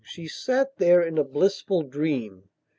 She sat there in a blissful dream.